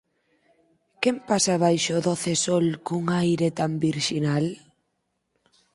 Quen pasa baixo o doce sol cun aire tan virxinal?